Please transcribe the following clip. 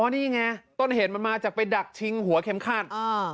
นี่ไงต้นเหตุมันมาจากไปดักชิงหัวเข็มขัด